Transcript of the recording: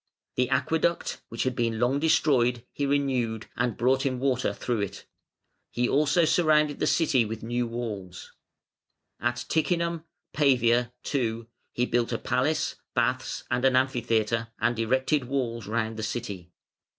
The aqueduct, which had been long destroyed, he renewed, and brought in water through it. He also surrounded the city with new walls. At Ticinum (Pavia) too he built a palace, baths, and an amphitheatre, and erected walls round the city.